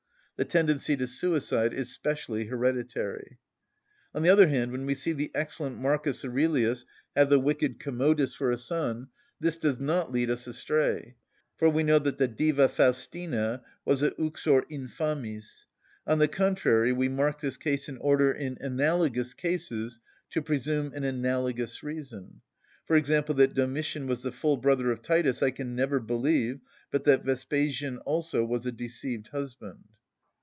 The tendency to suicide is specially hereditary. On the other hand, when we see the excellent Marcus Aurelius have the wicked Commodus for a son, this does not not lead us astray; for we know that the Diva Faustina was a uxor infamis. On the contrary, we mark this case in order in analogous cases to presume an analogous reason; for example, that Domitian was the full brother of Titus I can never believe, but that Vespasian also was a deceived husband.